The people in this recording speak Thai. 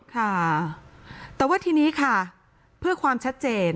ค่ะแต่ว่าทีนี้ค่ะเพื่อความชัดเจน